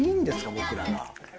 僕らが。